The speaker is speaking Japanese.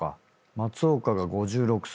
松岡が５６歳。